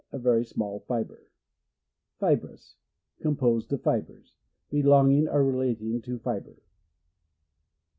A very small fibre. Fibrous. — Composed of fibres. Be longing or relating to fibre.